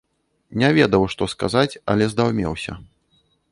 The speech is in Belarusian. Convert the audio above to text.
Не ведаў, што сказаць, але здаўмеўся.